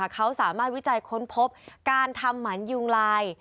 เขาสามารถวิจัยค้นพบการทำหมันยุงลาย